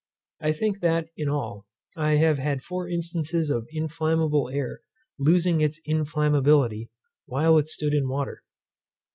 I think that, in all, I have had four instances of inflammable air losing its inflammability, while it stood in water.